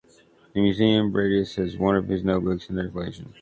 The Museum Bredius has one of his notebooks in their collection.